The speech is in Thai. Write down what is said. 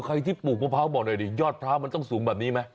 ใครที่ปลูกมะพร้าวบอกหน่อยดิยอดพร้าวมันต้องสูงแบบนี้ไหม